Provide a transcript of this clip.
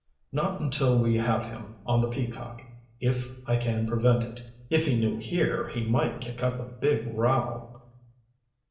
"Not until we have him on the Peacock, if I can prevent it. If he knew here, he might kick up a big row."